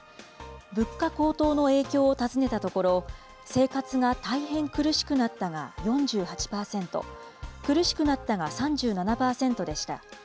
物価高騰の影響を尋ねたところ、生活が大変苦しくなったが４８％、苦しくなったが３７％でした。